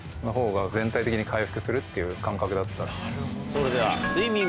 それでは。